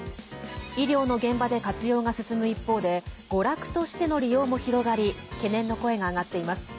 医療の現場で活用が進む一方で娯楽としての利用も広がり懸念の声が上がっています。